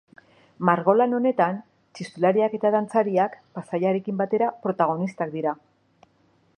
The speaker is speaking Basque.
Margolan honetan txistulariak eta dantzariak, paisaiarekin batera, protagonistak dira.